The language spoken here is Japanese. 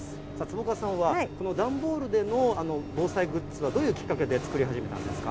坪川さんは、この段ボールでの防災グッズは、どういうきっかけで作り始めたんですか。